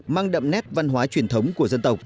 mang đậm nét văn hóa truyền thống của dân tộc